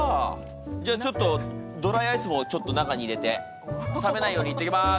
じゃちょっとドライアイスもちょっと中に入れて冷めないように行ってきます！